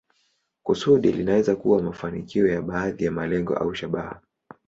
Kusudi linaweza kuwa mafanikio ya baadhi ya malengo au shabaha.